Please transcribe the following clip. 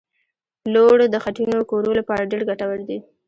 پلوړ د خټینو کورو لپاره ډېر ګټور دي